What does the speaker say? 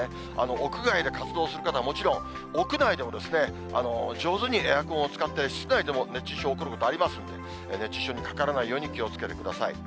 屋外で活動する方はもちろん、屋内でも上手にエアコンを使って、室内でも熱中症起こることありますんで、熱中症にかからないように気をつけてください。